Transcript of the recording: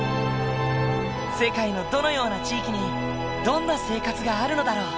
世界のどのような地域にどんな生活があるのだろう？